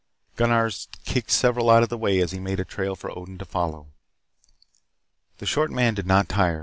Gunnar kicked several out of the way as he made a trail for Odin to follow. The short man did not tire.